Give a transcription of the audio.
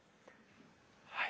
はい。